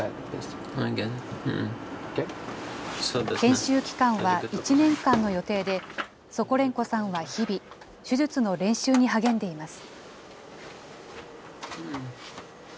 研修期間は１年間の予定で、ソコレンコさんは日々、手術の練習に励んでいます。